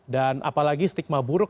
dan apalagi stigma buruk